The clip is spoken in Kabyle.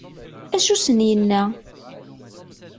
Acu i sen-yenna?